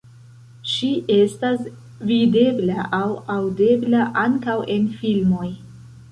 Ŝi estas videbla aŭ aŭdebla ankaŭ en filmoj.